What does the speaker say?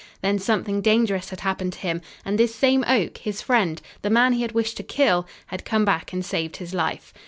Then something dangerous had happened to him, and this same Oak, his friend, the man he had wished to kill, had come back and saved his life.